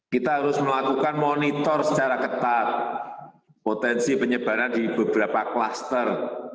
kita harus melakukan monitor secara ketat potensi penyebaran di beberapa klaster